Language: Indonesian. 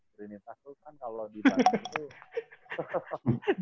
trinita tuh kan kalau di dalam itu